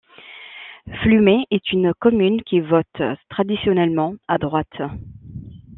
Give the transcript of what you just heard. Flumet est une commune qui vote traditionnellement à droite.